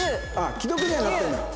既読にはなってるんだ。